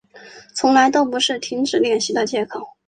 从来都不是停止练习的借口